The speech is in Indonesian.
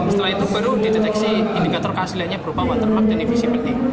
setelah itu baru dideteksi indikator keasliannya berupa watermark dan divisi penting